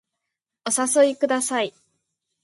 お誘いください